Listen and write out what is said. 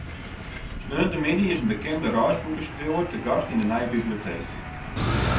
Saterdeitemiddei is in bekende reisboekeskriuwer te gast yn de nije biblioteek.